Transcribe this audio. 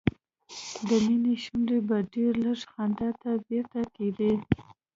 د مينې شونډې به ډېر لږ خندا ته بیرته کېدې